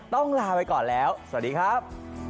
ต้องลาไปก่อนแล้วสวัสดีครับ